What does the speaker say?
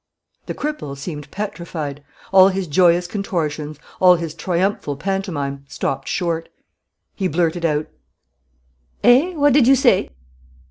The cripple seemed petrified. All his joyous contortions, all his triumphal pantomime, stopped short. He blurted out: "Eh? What did you say?"